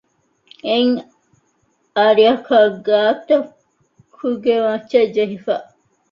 އެއް އަރިއަކަށް ގާތަކުގެ މައްޗަށް ޖެހިފަ